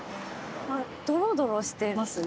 ドロドロしてますね。